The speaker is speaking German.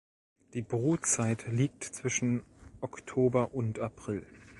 Die Brutzeit liegt zwischen Oktober und April.